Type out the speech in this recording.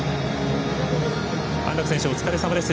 安楽選手、お疲れさまです。